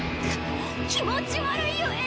気持ち悪いゆえ！